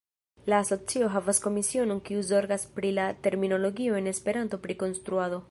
La asocio havas komisionon kiu zorgas pri la terminologio en Esperanto pri konstruado.